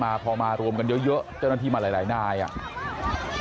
พอมารวมกันเยอะเยอะเจ้าหน้าที่มาหลายนายอ่ะ